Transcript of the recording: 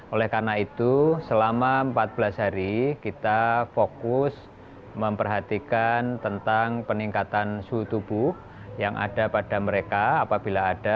oleh karena itu selama empat belas hari kita fokus memperhatikan tentang peningkatan suhu tubuh yang ada pada mereka apabila ada